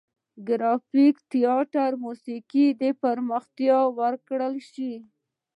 ګرافیک، تیاتر او موسیقي ته پراختیا ورکړل شوه.